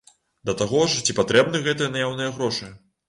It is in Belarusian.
Да таго ж ці патрэбны гэтыя наяўныя гроша?